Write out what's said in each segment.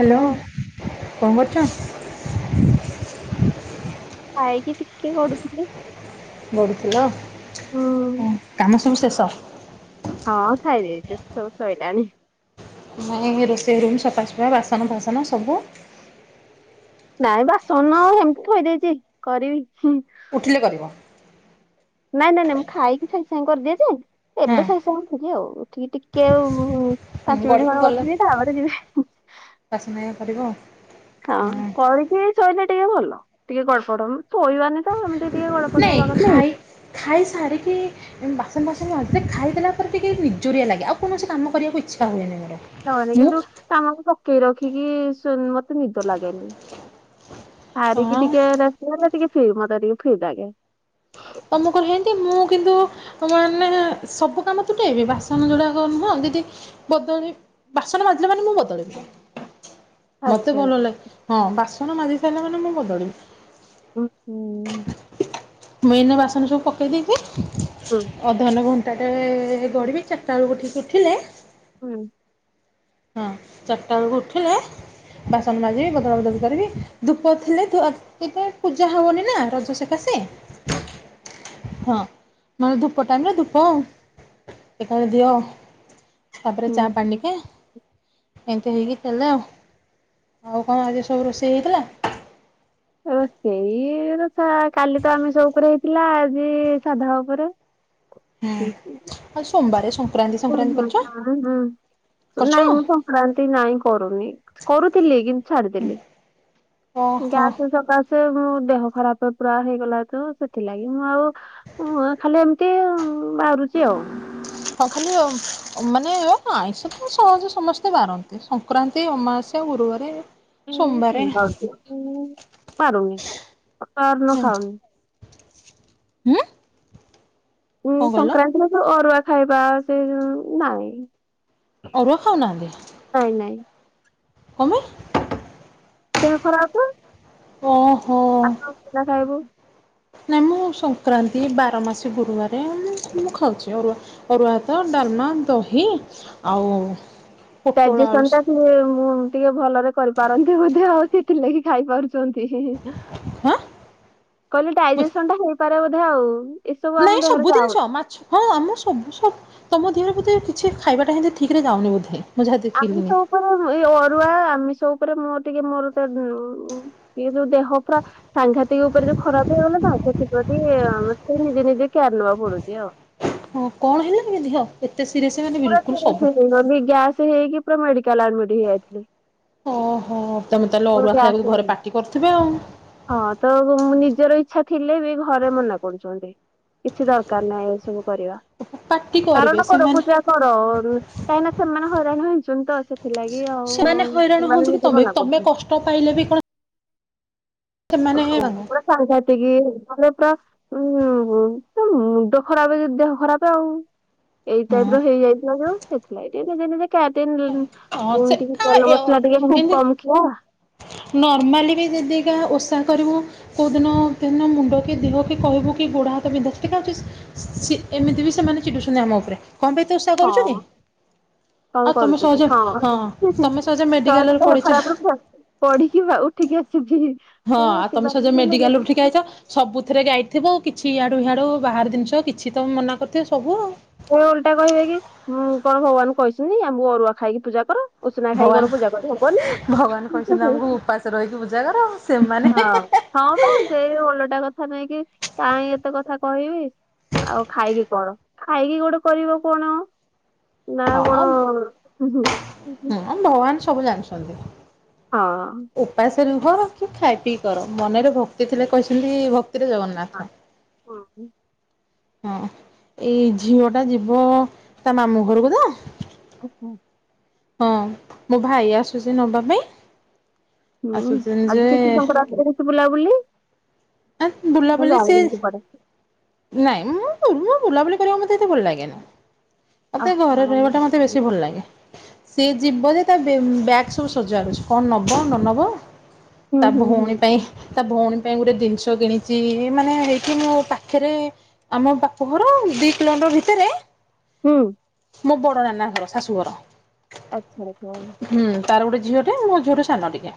Hello hello କଣ କରୁଛ? ଖାଇକି ଟିକେ ଗଡୁଥିଲି। ଗଡୁଥିଲ ହୁଁ। କାମ ସବୁ ଶେଷ? ହଁ ଖାଇ ଦେଇେଛୁ ସବୁ ସଇଲାଣି। ନାଇଁ ରୋଷେଇ ରୁମ୍ ସଫାସଫା ବାସନ ଫାସନ ସବୁ ନାଇଁ ବାସନ ହେମିତି ଥୋଇଦେଇଛି କରିବି ହୁଁ। ଉଠିଲେ କରିବ। ନାଇଁ ନାଇଁ ନାଇଁ ମୁଁ ଖାଇକି ଖାଇ ସାଙ୍ଗ ସାଙ୍ଗ କରିଦିଏ ଯେ ଏବେ [unintelligible] ହୁଁ ଚାହୁଁଥିଲି ଆଉ ଉଠିକି ଟିକେ ଆ ପାଞ୍ଚ ମିନିଟ ଗଡିକୁ ଖଳ ଗଲେ ବସିବି ତାପରେ ଯିବି। ବାସନ ହେରିକା କରିବ ହଁ କରିକି ଶୋଇଲେ ଟିକେ ଭଲ ଟିକେ ଗଡପଡ ହେବୁ। ଶୋଇବାନି ତ ଏମିତି ଟିକେ ଗଡପଡ ନାଇଁ ହେବା କଥା। ନାଇ ଖାଇ ଖାଇ ସାରିକି ବାସନ ବାସନ ମାଜି ଖାଇଦେଲା ପରେ ଟିକେ ନିଜୁରିଆ ଲାଗେ ଆଉ କୌଣସି କାମ କରିବାକୁ ଇଚ୍ଛା ହୁଏନି ମୋର। ଣନି ମୁଁ କିନ୍ତୁ ତମକୁ ପକେଇ ରଖିକି ସୁ ମତେ ନିଦ ଲାଗେନି। ସାରିକି ହଁ ଟିକେ ରଖିଦେଲେ ଟିକେ ଫ୍ରୀ ମତେ ଟିକେ ଫ୍ରି ଲାଗେ। ତମକୁ ହେନ୍ତି ମୁଁ କିନ୍ତୁ ତ ମାନେ ସବୁ କାମ ତୁଟେଇବି ବାସନ ଯୋଡ଼ାକ ନୁହଁ ଦିଦି ବଦଳି ବାସନ ମାଜିଲେ ମାନେ ମୁଁ ବଦଳିବି ଆଚ୍ଛା ମତେ ଭଲ ଆଚ୍ଛା ଲାଗେ ହଁ ବାସନ ମାଜି ସାରିଲା ମାନେ ମୁଁ ବଦଳିବି ଓ ହୋ ମୁଁ ଏଇନା ବାସନ ସବୁ ପକେଇ ଦେଇକି ହୁଁ ଅଧାନ ଘଣ୍ଟାଟେ ଗଡ଼ିବି ଚାରିଟା ବେଳକୁ ଉଠିଲେ ହୁଁ ହଁ ଚାରିଟା ବେଳକୁ ଉଠିଲେ ବାସନ ମାଜିବି ବଦଳା ବଦଳି କରିବି ଧୂପ ଥିଲେ ଏବେ ପୂଜା ହବନି ନା ରଜସକାସେ ହଁ ମାନେ ଧୂପ ଟାଇମରେ ଧୂପ ଏକା ବେଳେ ଦିଅ ସପରେ ଚା ହୁଁ ପାଣ୍ଡିକେ ଏମିତି ହେଇକି ଦେଲେ ଆଉ ଆଉ କଣ ଆଜି ସବୁ ରୋଷେଇ ହେଇଥିଲା? ରୋଷେଇ ତ କାଲି ତ ଆମିଷ ଉପରେ ହେଇଥିଲା ଆଜି ସାଧା ଉପରେ ହୁଁ ହ [unintelligible] ଆଉ ସୋମବାରେ ସଂକ୍ରାନ୍ତି। ସଂକ୍ରାନ୍ତି କରିଛ [unintelligible] ହୁଁ। କରିଛ ନାଇଁ ମୁଁ ସଂକ୍ରାନ୍ତି ନାଇଁ କରୁନି କରୁଥିଲି କିନ୍ତୁ ଛାଡିଦେଲି। ଓହୋ। ଗ୍ୟାସ ସକାଶେ ମୋ ଦେହ ଖରାପ ପୁରା ହେଇଗଲା ତ ସେଥିଲାଗି ମୁଁ ଆଉ। ଉଁ ଆଁ ଖାଲି ଏମିତି ଉଁ ବାହାରୁଚି ଆଉ। ହଁ ଖାଲି ଅ ଅ ମାନେ ଆଇଁଷ ତ ସହଜେ ସମସ୍ତେ ବାରନ୍ତି ସଂକ୍ରାନ୍ତି ଅମାବାସ ସ୍ୟା ଗୁରୁବାରେ। ସୋମବାରେ [unintelligible] ପାରୁନି ତାର ନ ହୁଁ ଖାଉନି। ହୁଁ। ଉଁ କଣ କହିଲ ସଂକ୍ରାନ୍ତିରେ ତ ଅରୁଆ ଖାଇବା ସେ ନାଇଁ। ଅରୁଆ ଖାଉନାହାନ୍ତି। ନାଇଁ ନାଇଁ। କଣ ପାଇଁ? ଦେହ ଖରାପ ହୁଏ। ଓହୋ। [unintelligible] ବିନା ଖାଇବୁ। ନାହିଁ ମୁଁ ସଂକ୍ରାନ୍ତି ବାର ମାସି ଗୁରୁବାରେ ମୁଁ ମୁଁ ଖାଉଛି ଅରୁଆ। ଅରୁଆ ଭାତ, ଡାଲମା, ଦହି ଆଉ। ପୋଟଳ ଆଳୁ ଡାଇଜେସନ ଟା। ସ- ଏ ମୁଁ ଟିକେ ଭଲରେ କରିପାରନ୍ତି ବୋଧେ ଆଉ ସେଥି ଲାଗି ଖାଇ ପାରୁଛନ୍ତି ହି ହି। ହାଁ କହିଲେ ବୁଝ- ଡାଇଜେସନ ଟା ହେଇପାରେ ବୋଧେ ଆଉ। ଏସବୁ ଆମ ନାଇଁ ଦେହରେ ସବୁ ଯାଉନି। ଜିନିଷ ମାଛ। ହଁ ଆମ ସବୁ ସବ ତମ ଦେହରେ ବୋଧେ କିଛି ଖାଇବାଟା ହେମିତି ଠିକରେ ଯାଉନି ବୋଧେ। ମୁଁ ଯାହା ଦେଖିଲିଣି ଆମିଷ ଉପରେ ହୁଁ ଏଇ ଅରୁଆ ଆମିସ ଉପରେ ମୋର ଟିକେ ମୋର ସ ଉଁ ଉଁ। ଇଏ ଯୋଉ ଦେହ ପୁରା। ସାଙ୍ଘାତିକ ଉପରେ ଯୋଉ ଖରାପ ହେଇଗଲା ତ ସେଥିପ୍ରତି ଆମେ ସେ ନିଜେ ନିଜେ କେୟାର ନବାକୁ ପଡୁଛି ଆଉ। ହଁ କଣ ହେଲା କି ଦିହ? ଏତେ ସିରିଏସ ମାନେ। ପୁରା ବିଲକୁଲ ସିରିଅସ ସବୁ ହେଇଯା [unintelligible] ବି ଗ୍ୟାସ ହେଇକି ପୁରା ମେଡିକାଲ ଆଡମିଟ ହେଇଯାଇଥିଲି। ଓହୋ ତମକୁ ତାହେଲେ ମୋର ଅରୁଆ ଗ୍ୟାସ ଖାଇବାକୁ ଘରେ ହେଇନି। ପାଟି କରୁଥିବେ ଆଉ। ହଁ ତ ବ ନିଜର ଇଚ୍ଛା ଥିଲେ ବି ଘରେ ମନା କରୁଛନ୍ତି। କିଛି ଦରକାର ନାହିଁ ଏ ସବୁ କରିବା। ପାଟି କରିବେ ପାଳନ କର ସେମାନେ ପୂଜା କର ଉଁ କାହିଁକି ନା ସେମାନେ ହଇରାଣ ହେଇଛନ୍ତି ତ ସେ ଥିଲାଗି ଆଉ ସେମାନେ ନିଜେ ମନା କରୁଛନ୍ତି। ଟ ପାଇଲେ ବି କଣ। ହଁ ପୁରା ସାଙ୍ଘାତିକି ମାନେ ପୁରା। ଉଁ ମୁଁ ମୋ ମୁଣ୍ଡ ଖରାପ [unintelligible] ଦେହ ଖରାପ ଆଉ। ଏଇ ଟାଇପର ହେଇଯାଇଥିଲା ଯୋଉ ସେଥିଲାଗି ଏ ନିଜେ ନିଜେ କ୍ୟାରଟେ [unintelligible] ହଁ ସେ ଏ ଟିକେ ତେଲ ମସଲା ଟିକେ ଖୁବ ଏମିତି କମ ଥିଲା। ନର୍ମାଲି ବି ଯଦି ଏଇଖା ଓଷା କରିବୁ। କଉଦିନ ଦିନ ମୁଣ୍ଡ କି ଦିହ କି କହିବୁ କି ଗୁଡ଼, ହାତ ବିନ୍ଧା ଛିଟିକା ହଉଛି। ସି ଏମିତି ବି ସେମାନେ ଚିଡ଼ୁଛନ୍ତି ଆମ ଉପରେ। କଣ ପାଇଁ ଏତେ ଓଷା କରୁଚୁ କି? ହଁ କଣ ଆଉ ତମେ କରୁଚୁ କି ସହଜେ ହଁ ହୁଁ ହୁଁ ତମେ ସହଜେ ସହଜ ମେଡିକାଲରେ ଦେହ ପଡିଛ ଖରାପରୁ [unintelligible] ପଡିକି ବା ଉଠିକି ଆସିଚି। ହଁ ଆଉ ତମେ ସହଜରେ ମେଡିକାଲ ରୁ ଉଠିକି ଆଇଛ। ସବୁଥିରେ ଗାଇଥିବ କିଛି ଇଆଡ଼ୁ ହିଆଡ଼ୁ ବାହାର ଜିନିଷ କିଛି ତ ମନା କରିଥିବେ ସବୁ ଆଉ। ପୁଣି ଓଲଟା କହିବେ କି ଉଁ କଣ ଭଗବାନ କହିଛନ୍ତି ଆମକୁ ଅରୁଆ ଖାଇକି ପୂଜା କର। ଉଶୁନା ଖାଇକି ଭଗବାନ କଣ ପୂଜା କରି ହବନି? ଭଗବାନ ହୁଁ ହୁଁ କହିଛନ୍ତି ହୁଁ ଆମକୁ ହୁଁ ଉପାସ ରହିକି ପୂଜା କର ସେମାନେ ହଁ। ହଁ ପା ସେଇ ଓଲଟା କଥା ନେଇକି କାହିଁ ଏତେ କଥା କହିବି। ଆଉ ଖାଇକି କର। ଖାଇକି ଗୋଟେ କରିବ କଣ ନା ହଁ କଣ। ଆ ଭଗବାନ ସବୁ ଜାଣିଛନ୍ତି। ହଁ। ଉପାସ ରୁହ କି ଖାଇ ପିଇ କର ମନରେ ଭକ୍ତି ଥିଲେ କହିଛନ୍ତି ଭକ୍ତିରେ ଜଗନ୍ନାଥ। ହଁ। ହଁ ଏଇ ଝିଅ ଟା ଯିବ ତା ମାମୁଁ ଘରକୁ ତ। ଓ ହୋ। ହଁ ମୋ ଭାଇ ଆସୁଛି ନବା ପାଇଁ। ହୁଁ ଆସୁଛନ୍ତି ଯେ ଆଜି କିଛି ତାଙ୍କ ରାସ୍ତ ଅଛି ବୁଲାବୁଲି। ବୁଲାବୁଲି ସେ ଯାଉଛନ୍ତି କୁଆଡ଼େ। ନାଇଁ ମୁଁ ତୁ ରୁ ବୁଲାବୁଲି କରିବାକୁ ମତେ ଏତେ ଭଲ ଲାଗେନି। ମୋତେ ଘରେ ରହିବାଟା ମୋତେ ବେଶୀ ଭଲ ଲାଗେ। ସେ ଯିବ ଯେ ତା ବ୍ୟାଗ୍ ସବୁ ସଜାରୁଛି କଣ ନବ ନ ନେବ। ହୁଁ ତା ହୁଁ ହୁଁ ଭଉଣୀ ପାଇ। ତା ଭଉଣୀ ପାଇଁ ଗୋଟେ ଜିନିଷ କିଣିଛି ମାନେ ହେଇଛି ମୋ ପାଖରେ। ଆମ ବାପ ଘର ଦିଇ କିଲୋମିଟର ଭିତରେ। ହୁଁ। ମୋ ବଡ଼ ନାନା ଘର ଶାଶୁଘର। ଆଚ୍ଛା ଆଛା। ହୁଁ ତାର ଗୋଟେ ଝିଅ ଟେ ମୋ ଝିଅ ଠୁ ସାନ ଟିକେ।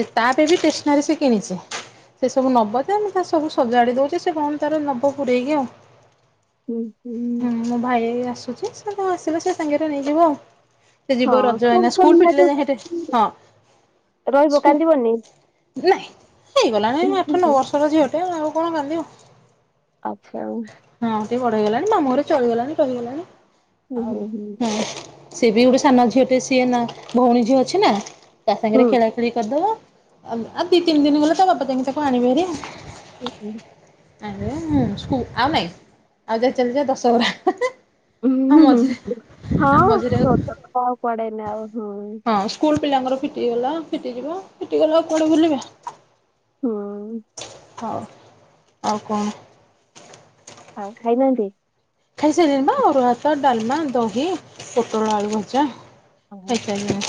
ଯେ ତାପାଇଁ ବି ଷ୍ଟେସନାରୀ ସେ କିଣିଛି। ସେ ସବୁ ନବ ଯେ ଆମେ ତା ସବୁ ସଜାଡି ଦଉଚି ସେ କଣ ତାର ନବ ପୁରେଇକି ଆଉ। ହୁଁ ମୋ ଭାଇ ଆସୁଛି ସେ ଆସିଲେ ସେ ସାଙ୍ଗରେ ନେଇଯିବ ଆଉ। ସେ ଯିବ ରଜ ହଁ ହେଇନା ସ୍କୁଲ ଫିଟିଲେ ଯା ସେଠ ହଁ। ରହିବ କାନ୍ଦିବନି? ନାଇଁ ହେଇଗଲାଣି ଆଠ ନଅ ବର୍ଷର ଝିଅଟେ ଆ ଆଉ କଣ କାନ୍ଦିବ। ଆଚ୍ଛା। ହଁ ଟିକେ ବଡ ହେଇଗଲାଣି ମାମୁଁ ଘରେ ଚଳିଗଲାଣି ରହିଗଲାଣି। ହୁଁ ହୁଁ ହୁଁ ସିଏ ବି ଗୋଟେ ସାନ ଝିଅ ଟେ ସିଏ ନା ଭଉଣୀ ଝିଅ ଅଛି ନା ତା ସାଙ୍ଗରେ ହୁଁ ଖେଳା। କରିଦବା ଆଉ ଦି ତିନି ଦିନ ଗଲାପରେ ତା ବାପା ତାଙ୍କ ତାକୁ ଆଣିବେରେ। ହୁଁ ହୁଁ। ଆଜ୍ଞାଁ ସ୍କୁଲ ଆଉ ନାଇଁ ଆଉ ଯାଇ ଚାଲି ଦଶହରା। ଆଉ ହୁଁ ହୁଁ ମଝିରେ ଆଉ ମଝିରେ ହଁଟ ଆଉ କଡେନି ଆଉ ହୁଁ। ହଁ ସ୍କୁଲ ପିଲାଙ୍କର ଫିଟିଗଲା ଫିଟି ଯିବ ଫିଟିଗଲା ଆଉ କୁଆଡେ ବୁଲିବେ। ହଁ। ହଉ ଆଉ କଣ? ଆଉ ଖାଇନାହାନ୍ତି। ଖାଇସାଇଲେନି ତ ଅରୁଆ ଭାତ ଡାଲମା ଦହି ପୋଟଳ ଆଳୁ ଭଜା। ଖାଇଶାଇଲେନି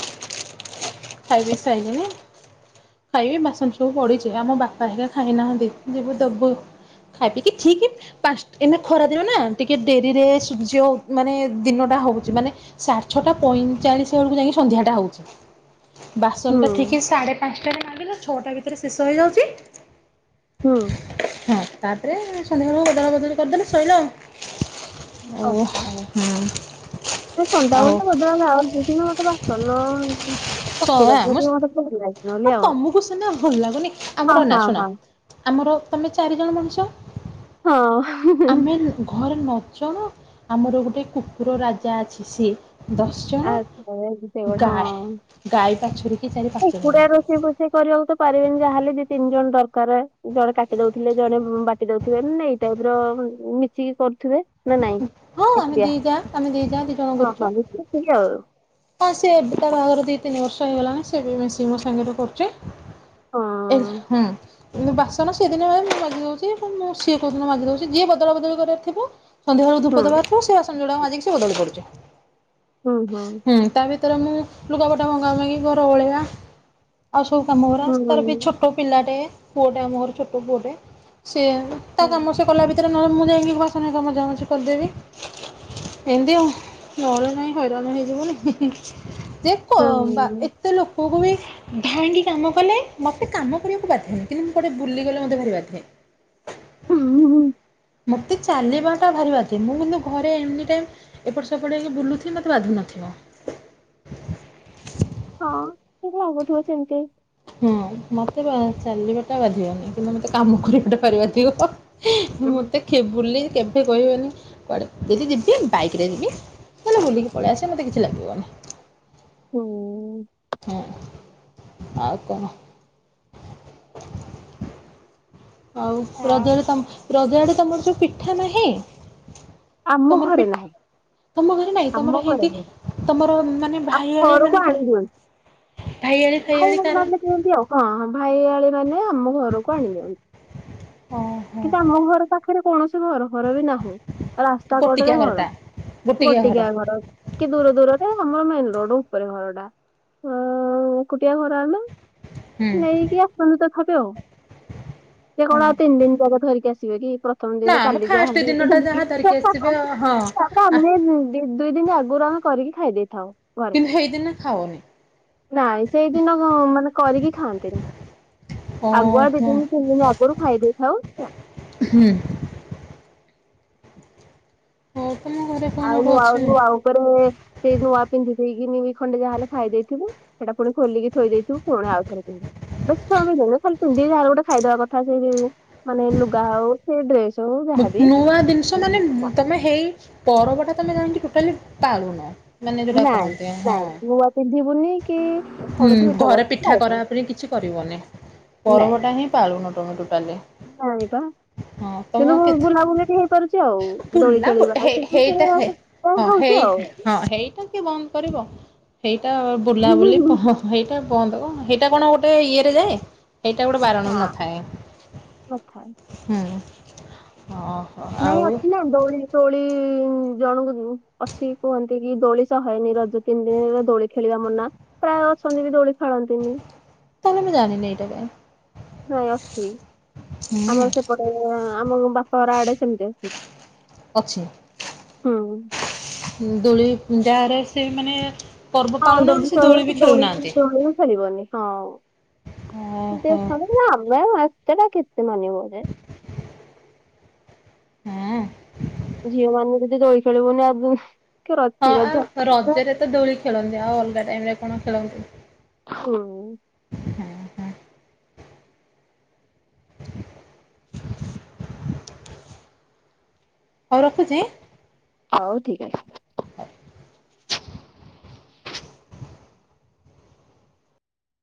ଖାଇ ପିଇ ସାଇଲିନି। ଖାଇବି ବାସନ ସବୁ ପଡ଼ିୁଛି ଆମ ବାପା ହେକା ଖାଇନାହାଁନ୍ତି ଯିବୁ ଦେବୁ ଖାଇ ପିକି ଠିକ୍ ପାଞ୍ଚଟା ଏଇନା ଖରା ଦିନ ନା ଟିକେ ଡେରିରେ ସୂର୍ଯ୍ୟ ମାନେ ଦିନଟା ହଉଛି ମାନେ ସଠେ ଛଅଟା ପଇଁଚାଳିଶ ବେଳକୁ ଯାଇକି ସନ୍ଧ୍ୟାଟା ହଉଛି। ବାସନ ଟା ହୁଁ ଠିକ ସାଢେ ପାଞ୍ଚଟାରେ ମାଜିଲେ ଛଅଟା ଭିତରେ ଶେଷ ହେଇଯାଉଛି। ହୁଁ ହଁ ତାପରେ ସନ୍ଧ୍ୟାବେଳକୁ ବଦଲା ବଦଳି କରିଦେଲେ ଶଇଲା ଆଉ। ଓ ହୋ ଆଉ ନାଇ ସନ୍ଧ୍ୟା ବେଳୁକୁ ହଁ ତ ବଦଳା ଲାଉଛି କିନ୍ତୁ ମତେ ବାସନ ପକେଇ ଆଉ ରଖିବା ଆମ ଟିକେ ମତେ ଖୁସି ଲାଗେ। ନହେଲେ ହଁ ଆଉ। ତମକୁ ସିନା ଭଲ ଲାଗୁନି ହଁ ଆମର ନା ହଁ ଶୁଣ ହଁ ଆମର ତମେ ଚାରିଜଣ ମଣିଷ। ହଁ ଆମେ ଘରେ ନ ଜଣ ଆମର ଗୋଟେ କୁକୁର ରାଜା ଅଛି ସିଏ ଦଶ ଦଶ ଜଣ ଆଚ୍ଛା ସେଗୁଡା ଗାଈ ହଁ। ଗାଈ ବାଛୁରୀ କି ଚାରି ପାଞ୍ଚ ଜଣ। ଏକୁଟିଆ ରୋଷେଇ ଫୋସେଇ କରିବାକୁ ତ ପାରିବେନି ଯାହାେଲେ ଦି ତିନି ଜଣ ଦରକାର ଜଣେ କାଟି ଦଉଥିଲେ ଜଣେ ବାଟି ଦଉଥି ବେ ଏଇ ଟାଇପର ମିଶିକି କରୁଥିବେ। ନା ନାଇଁ ହଁ ଆମେ ଏକୁଟିଆ ଦି ଯା ଆମେ ଦି ଯା ଦି ଜଣ ହ କରୁଛୁ। ହଁ ମିଶି ମିଶିକି ଆଉ। ହଁ ସେ ତା ବାହାଘର ଦି ତିନି ବର୍ଷ ହେଇଗଲାଣି ସେବି ମିଶିକି ମୋ ସାଙ୍ଗରେ କରୁଚି। ହଁ ଏ ହୁଁ ବାସ୍ ସେ ଦିନେ ମୁଁ ମାଜି ଦଉଛି ମୁଁ ସିଏ କୋଉ ଦିନ ମାଜି ଦଉଛି ଯିଏ ବଦଳା ବଦଳି କରିବାର ଥିବ ସନ୍ଧ୍ୟାବେଳ ଧୂପ ଦବାର ହୁଁ ଥିବ ସିଏ ବାସନ ଯୋଡାକ ମାଜିକି ସେ ବଦଳି ପଡୁଛି ହୁଁ ତା ଭିତରେ ସେଥିରେ ମୁ ଲୁଗାପଟା ଭଙ୍ଗାଭଙ୍ଗି ଘର ଓଳେଇବା ଆଉ ସବୁ କାମ ଗୁରା ହୁଁ ତାର ବି ହୁଁ। ଛୋଟ ପିଲାଟେ ପୁଅଟେ ଆମ ଘର ଛୋଟ ପୁଅଟେ ସିଏ ତା କାମ ସେ କଲା ଭିତ ସେରେ ନହେଲେ ମୁଁ ଯାଇକି ବାସନା ଘରିକା ମଜାମଜି କରିଦେବି। ଏମତି ଆଉ ନହଲେ ନାହିଁ ହଇରାଣ ହେଇଯିବୁନି ହେଁ ହେଁ ଯେ। ହୁଁ ବା ହୁଁ ଏତେ ଲୋକଙ୍କୁ ବି ଧାଇକି କାମ କଲେ। ମତେ କାମ କରିବାକୁ ବାଧେ ନି କିନ୍ତୁ ମୁଁ କୁଆଡେ ବୁଲିଗଲେ ମୋତେ ଭାରି ବାଧେ। ହୁଁ ହୁଁ। ମୋତେ ଚାଲିବାଟା ଭାରି ବାଧେ ମୁଁ କିନ୍ତୁ ଘରେ ଏନିଟାଇମ୍ ଏପଟେ ସେପଟ ହେଇକି ବୁଲୁଥିବି ମତେ ବାଧୁ ନଥିବ। ହଁ ସେ ଲାଗୁଥିବ ସେମତି। ହୁଁ ମତେ ଚାଲିବାଟା ବାଧିବନି କିନ୍ତୁ ମତେ କାମ କରିବାଟା ଭାରି ବାଧିବ। ମଁତେ ବୁଲି କେବେ କହିବନି କୁଆଡେ ଯଦି ଯିବି ବାଇକରେ ଯିବି। ତାହଲେ ବୁଲିକି ପଲେଇ ଆସିବା ମତେକିଛି ଲାଗିବନି। ହୁଁ। ହୁଁ ଆଉ କଣ? ଆଉ ଆ ରଜରେ ତମେ ରଜ ଆଡେ ତମର ସବୁ ପିଠା ନାହିଁ। ଆମ ତମର ଘରେ ପିଠା ନାହିଁ। ତମ ଘରେ ନାଇଁ ଆମ ତମର ଘରେ ସେମତି ନାହିଁ। ତମର ମାନେ ଆଉ ଭାଇ ଆଳି ଘରକୁ ମାନେଙ୍କର ଆଣିଦିଅ ଭାଇଆଲି ଭାଇ ଫାଇଆଲି କାହା ମାନେ କେମିତି ଆଉ ହଁ ହଁ ଭାଇଆଳିମାନେ ଆମ ଘରକୁ ଆଣି ଦିଅନ୍ତି। ଓହୋ କିନ୍ତୁ ଆମ ଘର ପାଖରେ କୌଣସି ଘର ଫର ବି ନାହିଁ। ରାସ୍ତା କଡରେ ଗୋଟିକିଆ ଘର ଘରଟା ଗୋଟିକିଆ ଘର। କି ଦୂର ଦୂରରେ ଆମର ମେନ ରୋଡ ଉପରେ ଘର ଟା ଏକୁଟିଆ ଘର ଆମେ ନେଇକି ପର୍ଯନ୍ତ ତଥାବି ଆଉ ସେ କଣ ଆଉ ହୁଁ। ତିନି ଦିନ ଜାଗ ଧରିକି ଆସିବେ କି ପ୍ର ପ୍ରଥମ ନା ଦିନ ମ କାଲି ଯାହା ଫାଷ୍ଟ ଦେଇକି ଦିନଟା ଯାହା ହେଁ ଧରିକି ଆସିବେ ହେଁ ହଁ ତାପରେ ଆ ଆମେ ହୁଁ ଦୁଇ ଦିନ ଆଗରୁ ଆମେ କରିକି ଖାଇ ଦେଇଥାଉ। ଘରେ କିନ୍ତୁ ହେଇଦିନ ଖାଉନି। ନାଇଁ ସେଇଦିନ ମାନେ କରିକି ଖାଆନ୍ତିନି। ଆଗୁଆ ଦି ଓହୋ ଦିନ ତିନି ଦିନ ଆଗରୁ ଖାଇ ଦେଇଥାଉ। ହୁଁ। ହଉ ତୁମ ଘରେ କଣ ଆଉ ନୁଆ ନୂଆ ଗୋଟେ ନୂଆ ଅଛି ଆଉ ଉପରେ ସେଇ ନୂଆ ପିନ୍ଧି ଦେଇକି ଖଣ୍ଡେ ଯାହାହଲେ ଖାଇ ଦେଇଥିବୁ। ସେଇଟା ପୁଣି ଖୋଲିକି ଥୋଇ ଦେଇଥିବୁ ପୁଣି ଆଉଥରେ ପିନ୍ଧିବୁ। ବେଶୀ କମ ବିଉନ ଖାଲି ପିନ୍ଧି ଯାହାର ଗୋଟେ ଖାଇଦବା କଥା ସେଇ ମାନେ ଲୁଗା ହଉ କି ଡ୍ରେସ ହୋଉ। ନୂଆ ଜିନିଷ ମାନେ ତମେ ହେଇ ପରବଟା ତମେ ଜାଣିି ଟୋଟାଲି ପାଲୁନ। ମାନେ ଯୋଉଟା ନାଇଁ କହନ୍ତି ହଁ ନାଇଁ ନୂଆ ପିନ୍ଧିବୁନି କି ହୁଁ କୌଣସି ମିଠା ଘରେ ବନା ପିଠା କରା ଖାଇବୁନି ପାଇଁ କିଛି- କରିବନି ନାଇଁ ପରବଟା ହିଁ ପାଳୁନ ତମେ ଟୋଟାଲି ନାଇଁ ପା ହଁ। ତମ କିନ୍ତୁ ମୁଁ କି ବୁଲାବୁଲି ଟିକେ ହେଇପାରୁଛି ଆଉ ଦୋଳି ଫୁଲା ଖେଳିବା ସେତିକି ହେଇଟା ହେ ହଁ ହଉଛି ହେଇ ଆଉ ହେ। ହଁ ହେଇଟା କିଏ ବନ୍ଦ କରିବ ସେଇଟା ବୁଲାବୁଲି ହଁ ସେଇଟା ବନ୍ଦ କଣ ହେଇଟ ସେଇଟା କଣ ଗୋଟେ ଇଏରେ ଯାଏ ସେଇଟା ଗୋଟେ ବାରଣ ନଥାଏ। କଥା ହୁଁ ହ ନାଇଁ ଅଛି ନା। ଦୋଳି ଦୋଳି ଜଣକ ଅଛି କୁହନ୍ତି କି ଦୋଳି ସହେନି ରଜ ତିନି ଦିନ ଦୋଳି ଖେଳିବା ମନା। ପ୍ରାୟ ଅଛନ୍ତି ବି ଦୋଳି ଖେଳନ୍ତିନି। ତାହେଲେ ଯାଣିନି ଏଟା କାଇଁ। ନାଇଁ ଅଛି। ହୁଁ ଆମର ସେପଟେ ଆମ ବାପା ଘର ଆଡେ ସେମିତି ଅଛି। ଅଛି। ହୁଁ। ଦୋଳି ଯାରେ ସେ ମାନେ ପର୍ବ ହଁ ପାଳୁନାହାନ୍ତି ଦୋଳି ସେ ବି [inaudible] ଦୋଳି ଖେଳୁନାହାନ୍ତି। ଦୋଳି ଖେଳିବନି ହଁ। ମୁଁ ଟିକେ ଓହୋ ଖେଳେ। ଆମେ ଏତେଟା କେତେ ମାନିବ ଯେ। ହୁଁ। ଝିଅମାନେ ଯଦି ଦୋଳି ଖେଳିବୁନି ଆ ହଁ କି ଆଉ ରଜ। ରଜରେ ତ ଦୋଳି ଖେଳନ୍ତି ଆଉ ଅଲଗା ଟାଇମରେ କଣ ଖେଳନ୍ତି? ହଉ ହଁ ହଁ [inaudible] ହଉ ରଖୁଛି। ହଉ ଠିକ୍ ଅଛି। [inaudible]